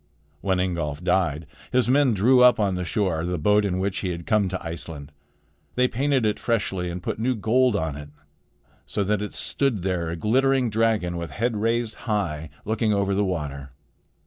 When Ingolf died, his men drew up on the shore the boat in which he had come to Iceland. They painted it freshly and put new gold on it, so that it stood there a glittering dragon with head raised high, looking over the water.